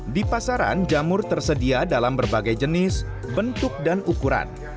di pasaran jamur tersedia dalam berbagai jenis bentuk dan ukuran